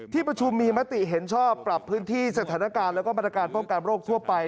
ที่ประชุมมีมติเห็นชอบปรับพื้นที่สถานการณ์แล้วก็มาตรการป้องกันโรคทั่วไป